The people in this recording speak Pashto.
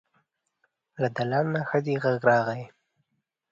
له دالانه ښځينه غږ راغی.